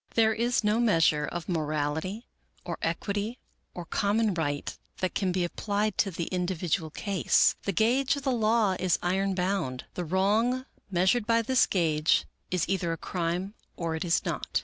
There is no measure of morality, or equity, or common right that can be applied to the individual case. The gauge of the law is iron bound. The wrong measured by this gauge is either a crime or it is not.